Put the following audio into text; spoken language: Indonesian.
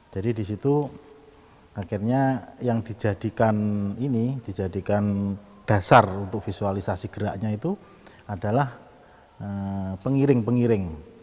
jadi disitu akhirnya yang dijadikan ini dijadikan dasar untuk visualisasi geraknya itu adalah pengiring pengiring